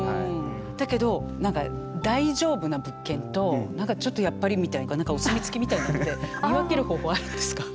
だけど何か大丈夫な物件と何かちょっとやっぱりみたいな何かお墨付きみたいなのって見分ける方法はあるんですか？